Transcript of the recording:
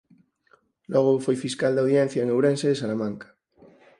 Logo foi fiscal da Audiencia en Ourense e Salamanca.